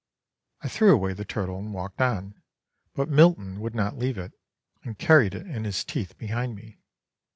I threw away the turtle, and walked on, but Milton would not leave it, and carried it in his teeth behind me.